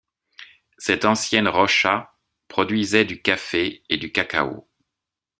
Cette ancienne roça produisait du café et du cacao.